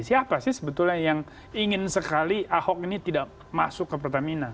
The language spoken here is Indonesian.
siapa sih sebetulnya yang ingin sekali ahok ini tidak masuk ke pertamina